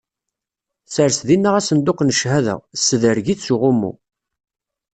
Sers dinna asenduq n cchada, ssedreg-it s uɣummu.